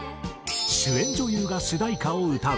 主演女優が主題歌を歌う。